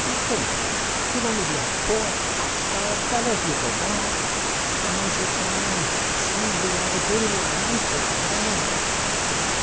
Nothing. You'll only be a poor half starved fellow if you go back. Now's your time. Seize the opportunity at once, like a man."